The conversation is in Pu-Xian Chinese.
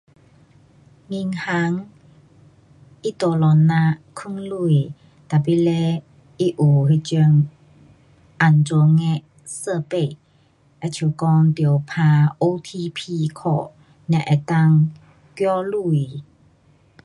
银行它 tolong 咱存钱，tapi 嘞它有那种安全的设备，好像得打 OTP code 才能够寄钱。